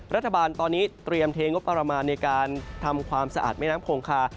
รัฐบาลตอนนี้เตรียมเทงบประมาณในการทำความสะอาดแม่น้ำโขงคา